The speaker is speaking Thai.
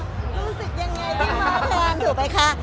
รู้สึกยังไงที่ม้าแพงถูกไหมคะ